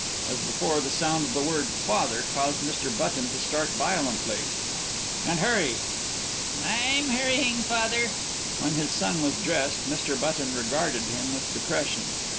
As before, the sound of the word "father" caused Mr. Button to start violently. "And hurry." "I'm hurrying, father." When his son was dressed Mr. Button regarded him with depression.